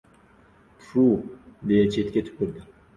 — Tfu-u, — deya, chetga tupurdi.